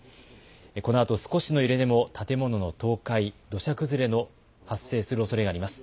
このあと、少しの揺れでも建物の倒壊、土砂崩れの発生するおそれがあります。